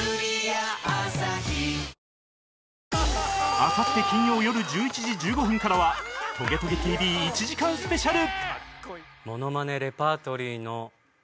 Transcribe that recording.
あさって金曜よる１１時１５分からは『トゲトゲ ＴＶ』１時間スペシャル